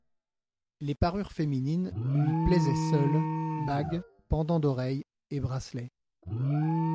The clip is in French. Les parures féminines lui plaisaient seules, bagues, pendants d'oreilles et bracelets.